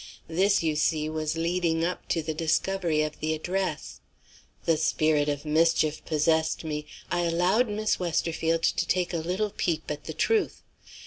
This, you see, was leading up to the discovery of the address. The spirit of mischief possessed me; I allowed Miss Westerfield to take a little peep at the truth.